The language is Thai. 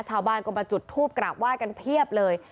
ชาวบ้านก็มาจุดทูปกราบไหว้กันเพียบเลย